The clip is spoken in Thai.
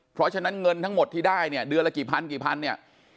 เพราะฉะนั้นเงินทั้งหมดที่ได้เนี่ยเดือนละกี่พันกี่พันเนี่ย